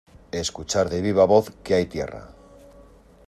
escuchar de viva voz que hay tierra